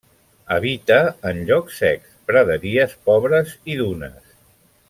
Habita en llocs secs, praderies pobres i dunes.